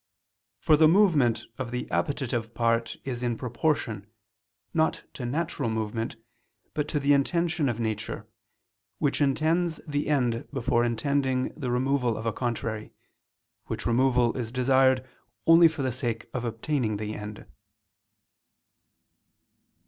For the movement of the appetitive part is in proportion, not to natural movement, but to the intention of nature, which intends the end before intending the removal of a contrary, which removal is desired only for the sake of obtaining the end.